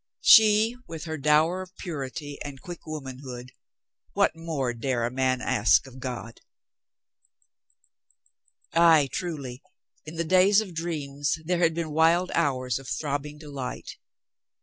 She with her dower of purity and quick womanhood — what more dare a man ask of God? ... Ay, truly, in the days of dreams there had been wild hours of throbbing delight.